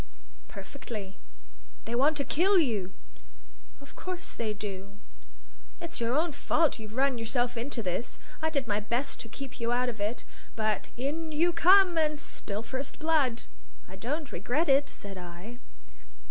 "Perfectly." "They want to kill you!" "Of course they do." "It's your own fault; you've run yourself into this. I did my best to keep you out of it. But in you come, and spill first blood." "I don't regret it," said I.